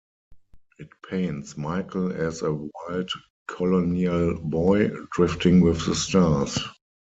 It paints Michael as a wild colonial boy, drifting with the stars.